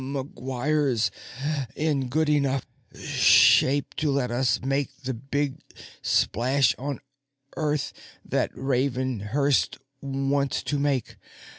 "McGuire's in good enough shape to let us make the big splash on Earth that Ravenhurst wants to make.